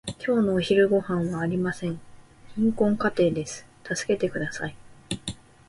今日のお昼ごはんはありません。貧困家庭です。助けてください。